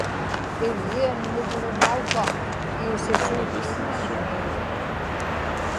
iggianŋuvluŋa-uvva iisisuitchuŋaunnii